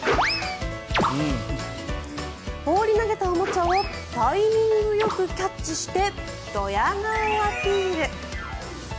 放り投げたおもちゃをタイミングよくキャッチしてドヤ顔アピール。